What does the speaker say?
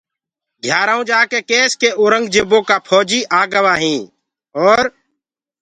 گھِيآرآئونٚ جآڪي ڪيس ڪي اورنٚگجيبو ڪآ ڦوجيٚ آگوآ هيٚنٚ اور